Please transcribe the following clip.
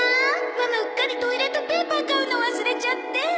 ママうっかりトイレットペーパー買うの忘れちゃって。